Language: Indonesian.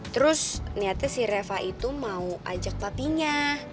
terus niatnya si reva itu mau ajak patinya